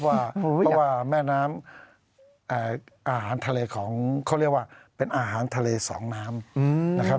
เพราะว่าแม่น้ำอาหารทะเลของเขาเรียกว่าเป็นอาหารทะเลสองน้ำนะครับ